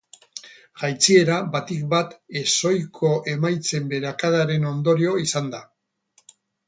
Jaitsiera batik bat ezohiko emaitzen beherakadaren ondorio izan da.